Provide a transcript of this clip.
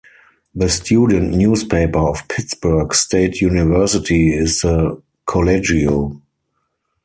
The student newspaper of Pittsburg State University is the Collegio.